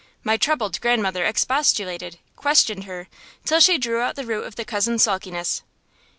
My troubled grandmother expostulated, questioned her, till she drew out the root of the cousin's sulkiness.